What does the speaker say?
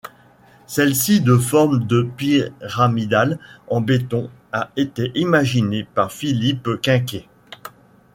Celle-ci de forme de pyramidale en béton a été imaginée par Philippe Quinquet.